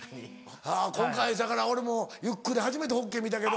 今回だから俺もゆっくり初めてホッケー見たけど。